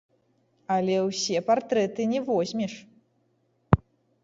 Але ўсе партрэты не возьмеш.